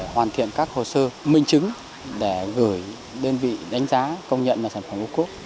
hoàn thiện các hồ sơ minh chứng để gửi đơn vị đánh giá công nhận là sản phẩm ô cốt